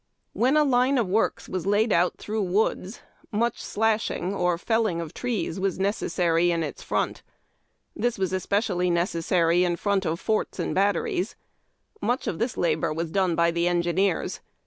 When a line of works was laid out through woods, much slashhu/^ or felling of trees, was necessar}' in its front. This was especially necessary in front of forts and batteries. Much of tliis labor was done by the engineers.